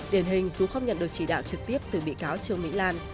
điển hình dù không nhận được chỉ đạo trực tiếp từ bị cáo trương mỹ lan